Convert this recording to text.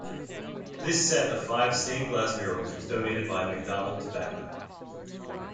This set of five stained-glass murals was donated by Macdonald Tobacco.